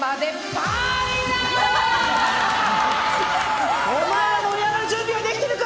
フォー！お前ら盛り上がる準備はできてるか？